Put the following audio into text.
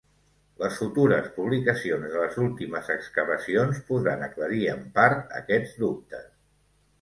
Les futures publicacions de les últimes excavacions podran aclarir, en part, aquests dubtes.